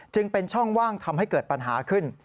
จึงเป็นช่องว่างทำให้เกิดปัญหาขึ้น